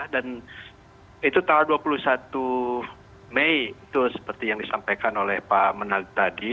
dan itu tahun dua puluh satu mei itu seperti yang disampaikan oleh pak menag tadi